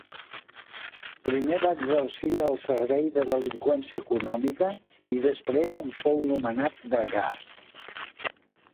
Primer va exercir al servei de delinqüència econòmica i després en fou nomenat degà.